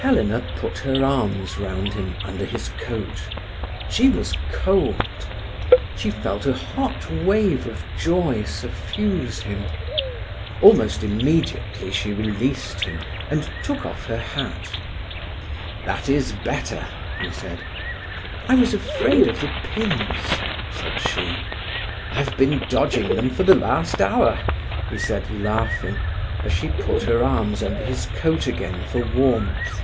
Helena put her arms found him under his coat. She was cold. He felt a hot wave of joy suffuse him. Almost immediately she released him, and took off her hat. "That is better," he said. "I was afraid of the pins," said she. "I've been dodging them for the last hour," he said, laughing, as she put her arms under his coat again for warmth.